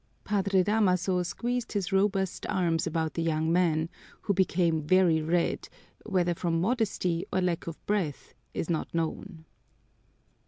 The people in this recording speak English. Padre Damaso squeezed his robust arms about the young man, who became very red, whether from modesty or lack of breath is not known.